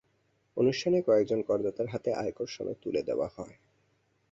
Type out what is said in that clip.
অনুষ্ঠানে কয়েকজন করদাতার হাতে আয়কর সনদ তুলে দেওয়া হয়।